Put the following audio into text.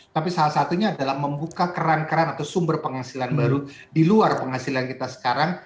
tapi salah satunya adalah membuka keran keran atau sumber penghasilan baru di luar penghasilan kita sekarang